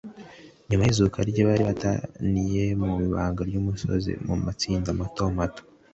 nyuma y'izuka rye bari bateraniye mu ibanga ry'umusozi, mu matsinda mato mato.